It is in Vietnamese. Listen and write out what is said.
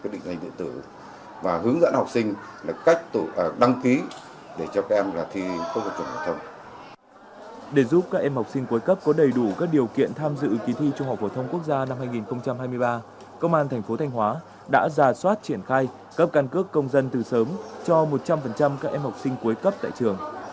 để giúp các em học sinh cuối cấp có đầy đủ các điều kiện tham dự kỳ thi trung học phổ thông quốc gia năm hai nghìn hai mươi ba công an thành phố thanh hóa đã giả soát triển khai cấp căn cước công dân từ sớm cho một trăm linh các em học sinh cuối cấp tại trường